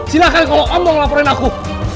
silahkan kalau om mau ngelaporin aku